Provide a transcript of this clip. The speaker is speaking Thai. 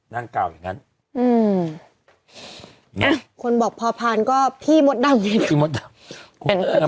นั่งกล่าวอย่างงั้นอืมนี่คนบอกพอพรก็พี่มดดำ